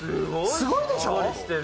すごいでしょ。